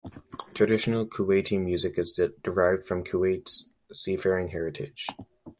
Traditional Kuwaiti music is derived from Kuwait's seafaring heritage.